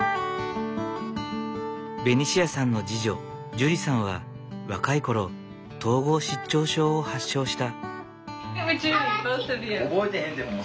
ベニシアさんの次女ジュリさんは若い頃統合失調症を発症した。